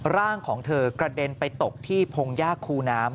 ร่างของเธอกระเด็นไปตกที่พงยากคูน้ำ